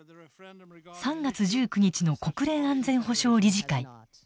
３月１９日の国連安全保障理事会。